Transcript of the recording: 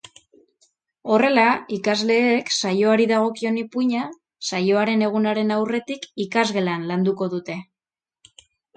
Horrela, ikasleek saioari dagokion ipuina saioaren egunaren aurretik ikasgelan landuko dute.